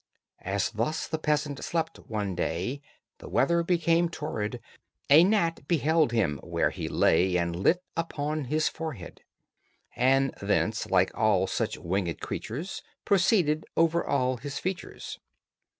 As thus the peasant slept one day, The weather being torrid, A gnat beheld him where he lay And lit upon his forehead, And thence, like all such winged creatures, Proceeded over all his features.